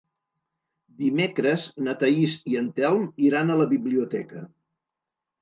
Dimecres na Thaís i en Telm iran a la biblioteca.